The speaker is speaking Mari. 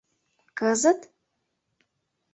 Кызыт?